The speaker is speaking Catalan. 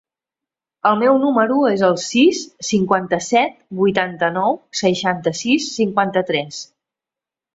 El meu número es el sis, cinquanta-set, vuitanta-nou, seixanta-sis, cinquanta-tres.